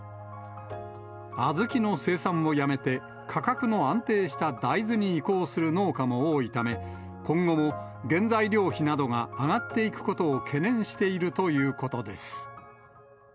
小豆の生産をやめて、価格の安定した大豆に移行する農家も多いため、今後も原材料費などが上がっていくことを懸念しているということです。